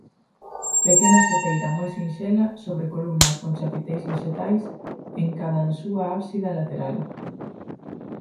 Pequena seteira moi sinxela sobre columnas con chapiteis vexetais en cadansúa ábsida lateral.